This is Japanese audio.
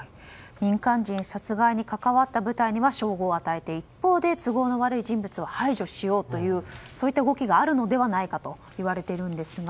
民間人殺害に関わった部隊には称号を与えて一方で都合の悪い人物を排除しようというそういった動きがあるのではないかといわれているんですが。